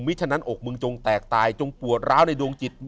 ฉะนั้นอกมึงจงแตกตายจงปวดร้าวในดวงจิต